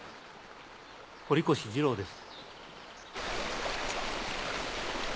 堀越二郎です。